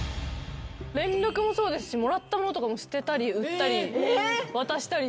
連絡もそうですしもらった物も捨てたり売ったり渡したり。